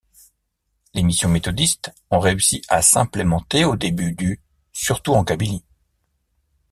Les missions méthodistes ont réussi à s’implémenter au début du surtout en Kabylie.